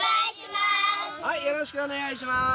はいよろしくお願いしまーす。